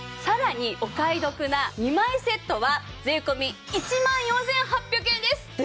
さらにお買い得な２枚セットは税込１万４８００円です。